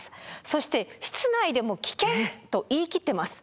そして「室内でも危険！」と言い切ってます。